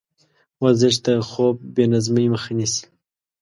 ورزش د خوب بېنظمۍ مخه نیسي.